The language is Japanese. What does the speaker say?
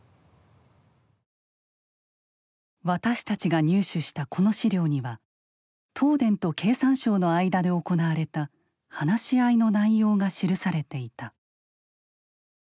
私たちが入手したこの資料には東電と経産省の間で行われた話し合いの内容が記されていた。